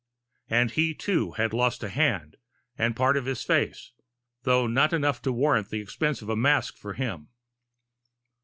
And he too had lost a hand, and part of his face, though not enough to warrant the expense of a mask for him.